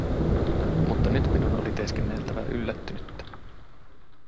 Mutta nyt minun oli teeskenneltävä yllättynyttä.